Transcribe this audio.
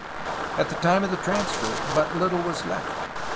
At the time of the transfer, but little was left.